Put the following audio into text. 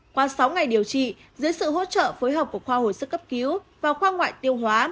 qua sáu ngày điều trị dưới sự hỗ trợ phối hợp của khoa hồi sức cấp cứu và khoa ngoại tiêu hóa